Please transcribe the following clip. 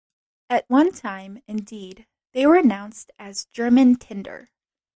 At one time, indeed, they were announced as German tinder.